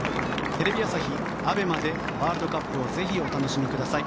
テレビ朝日・ＡＢＥＭＡでワールドカップをぜひお楽しみください！